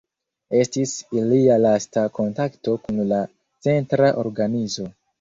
Estis ilia lasta kontakto kun la Centra Organizo.